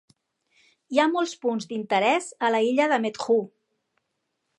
Hi ha molts punts d"interès a la illa de Meedhoo.